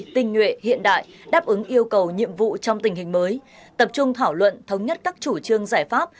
tinh nhuệ hiện đại đáp ứng yêu cầu nhiệm vụ trong tình hình mới tập trung thảo luận thống nhất các chủ trương giải pháp